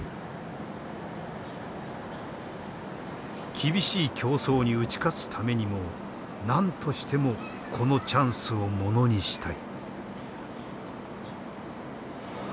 厳しい競争に打ち勝つためにも何としてもこのチャンスをものにしたい。